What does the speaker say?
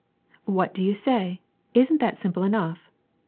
What do you say? Is n't that simple enough?